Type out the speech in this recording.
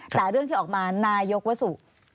แต่เรื่องที่ออกมานายกวสุ